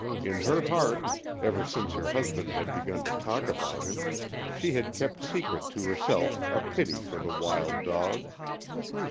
In her heart, ever since her husband had begun to talk about him, she had kept secret to herself a pity for the wild dog.